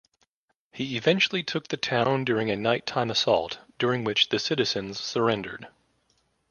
He eventually took the town during a night-time assault, during which the citizens surrendered.